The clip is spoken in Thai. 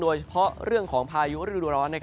โดยเฉพาะเรื่องของพายุฤดูร้อน